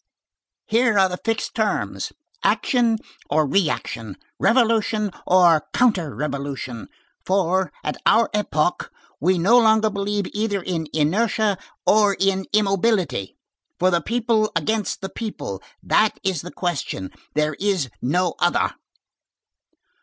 —"Here are the fixed terms: action or reaction, revolution or counter revolution. For, at our epoch, we no longer believe either in inertia or in immobility. For the people against the people, that is the question. There is no other."